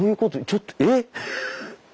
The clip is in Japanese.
ちょっとえっ！